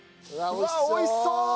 うわ美味しそう！